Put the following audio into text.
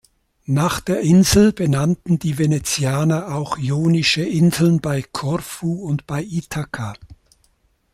Nach der Insel benannten die Venezianer auch Ionische Inseln bei Korfu und bei Ithaka.